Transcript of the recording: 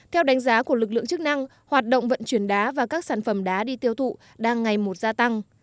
theo đánh giá của lực lượng chức năng hoạt động vận chuyển đá và các sản phẩm đá đi tiêu thụ đang ngày một gia tăng